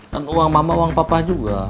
uang mama uang papa juga